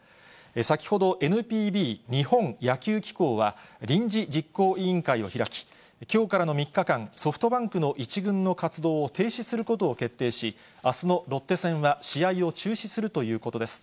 先ほど、ＮＰＢ・日本野球機構は、臨時実行委員会を開き、きょうからの３日間、ソフトバンクの１軍の活動を停止することを決定し、あすのロッテ戦は試合を中止するということです。